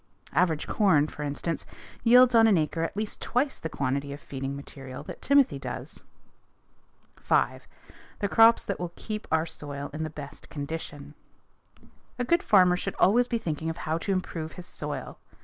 Average corn, for instance, yields on an acre at least twice the quantity of feeding material that timothy does. 5. The crops that will keep our soil in the best condition. A good farmer should always be thinking of how to improve his soil.